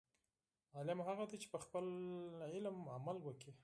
عالم هغه دی، چې په خپل علم عمل وکړي.